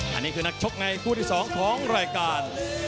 อันนี้คือนักชกในคู่ที่๒ของรายการ